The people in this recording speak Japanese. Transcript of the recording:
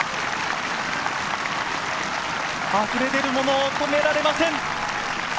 あふれ出るものを止められません。